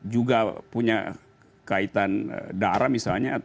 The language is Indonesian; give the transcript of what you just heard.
juga punya kaitan darah misalnya